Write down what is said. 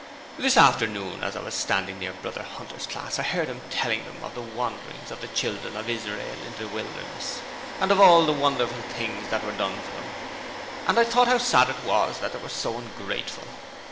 This afternoon as I was standing near Brother Hunter's class I heard him telling them of the wanderings of the Children of Israel in the wilderness, and of all the wonderful things that were done for them; and I thought how sad it was that they were so ungrateful.